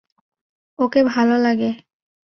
ওকে ভালো লাগে।